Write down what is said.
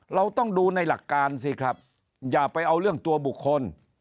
เราต้องดูในหลักการสิครับอย่าไปเอาเรื่องตัวบุคคล